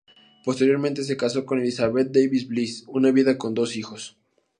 Posteriormente, se casó con Elizabeth Davis Bliss, una viuda con dos hijos.